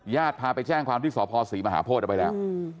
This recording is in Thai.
ญาติพาไปแจ้งความที่สภศรีมหาโพธไปแล้ว